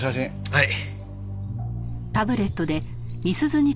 はい。